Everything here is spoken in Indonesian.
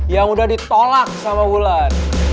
yang udah ditolak sama wulan